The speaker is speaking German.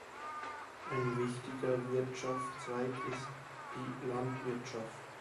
Ein wichtiger Wirtschaftszweig ist die Landwirtschaft.